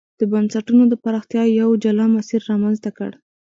د بنسټونو د پراختیا یو جلا مسیر رامنځته کړ.